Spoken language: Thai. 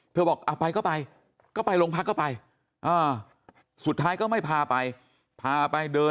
บอกเอาไปก็ไปก็ไปโรงพักก็ไปสุดท้ายก็ไม่พาไปพาไปเดิน